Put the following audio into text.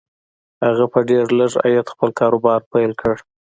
هغه په ډېر لږ عايد خپل کاروبار پيل کړ.